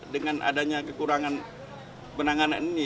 dengan adanya kekurangan penanganan ini